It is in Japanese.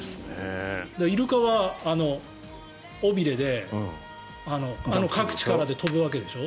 イルカは尾びれでかく力で跳ぶわけでしょ？